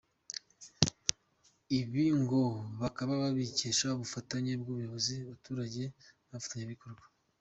Ibi ngo kakaba kabikesha ubufatanye bw’ubuyobozi, abaturage n’abafatanyabikorwa.